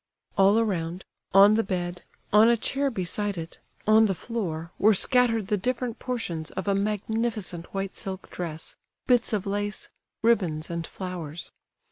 All around, on the bed, on a chair beside it, on the floor, were scattered the different portions of a magnificent white silk dress, bits of lace, ribbons and flowers.